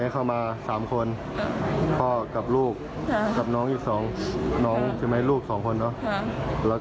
เขามาเยี่ยมอาค่ะคือปูของเขา